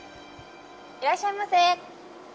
いらっしゃいませ。